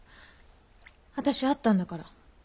私会ったんだから。